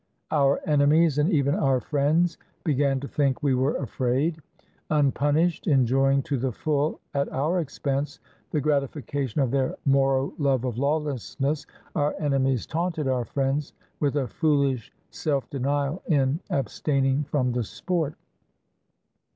Our enemies, and even our friends, began to think we were afraid. Un punished, enjoying to the full at our expense the grati fication of their Moro love of lawlessness, our enemies taunted our friends with a foolish self denial in abstain ing from the sport.